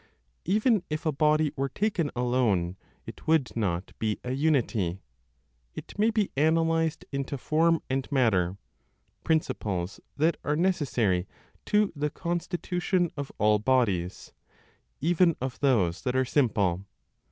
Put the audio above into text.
Even if a body were taken alone, it would not be a unity; it may be analyzed into form and matter, principles that are necessary to the constitution of all bodies, even of those that are simple.